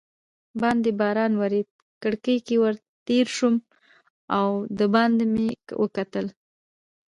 باندې باران ورېده، کړکۍ ته ور تېر شوم او دباندې مې وکتل.